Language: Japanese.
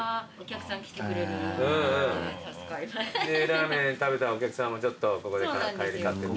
ラーメン食べたお客さんもちょっとここで帰り買って。